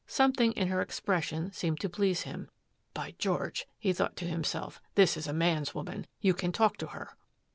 Something in her expression seemed to please him. "By George," he thought to himself, "this is a man's woman. You can talk to her."